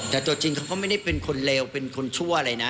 แต่ตัวจริงเขาก็ไม่ได้เป็นคนเลวเป็นคนชั่วอะไรนะ